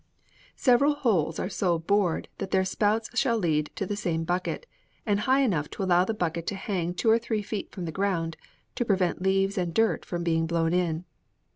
'Several holes are so bored that their spouts shall lead to the same bucket, and high enough to allow the bucket to hang two or three feet from the ground, to prevent leaves and dirt from being blown in.'